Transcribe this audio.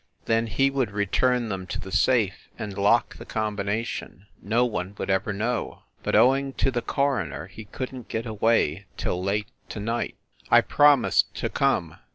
Then he would return them to the safe and lock the combina tion. No one would ever know. But, owing to the coroner, he couldn t get away till late to night. ... I promised to come.